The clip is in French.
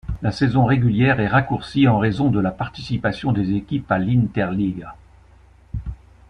La saison régulière est raccourcie en raison de la participation des équipes à l'Interliga.